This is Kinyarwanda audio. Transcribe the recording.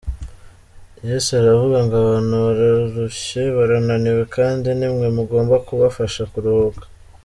Yesu aravuga ngo abantu bararushye barananiwe, kandi nimwe mugomba kubafasha kuruhuka.